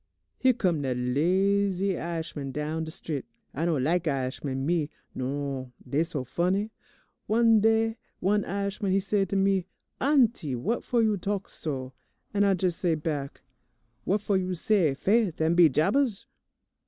"Here come dat lazy I'ishman down de strit. I don't lak' I'ishman, me, non, dey so funny. One day one I'ishman, he say to me, 'Auntie, what fo' you talk so?' and I jes' say back, 'What fo' you say "Faith an' be jabers"?'